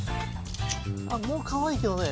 あもうかわいいけどね。